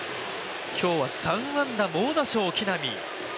今日は３安打、猛打賞、木浪。